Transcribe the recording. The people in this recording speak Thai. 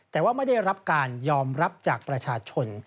แต่ว่าไม่ได้รับการยอมรับจากประชาชน